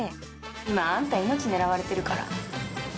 今、あんた命狙われてるから。